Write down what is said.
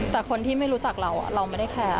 แต่คนที่ไม่รู้จักเราเราไม่ได้แคร์